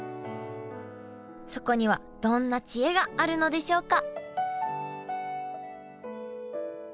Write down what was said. そこにはどんな知恵があるのでしょうか？